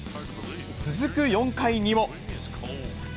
続く４回にも。